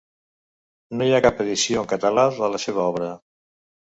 No hi ha cap edició en català de la seva obra.